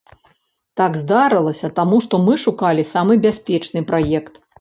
Так здарылася, таму што мы шукалі самы бяспечны праект.